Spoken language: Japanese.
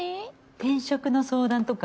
転職の相談とか？